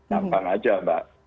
gampang aja pak